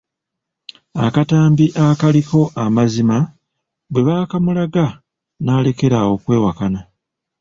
Akatambi akaaliko amazima bwe baakamulaga n'alekera awo okwewakana.